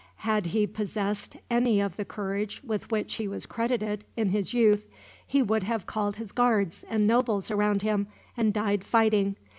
Had he possessed any of the courage with which he was credited, in his youth, he would have called his guards and nobles around him, and died fighting.